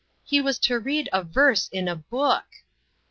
He was to read a verse in a book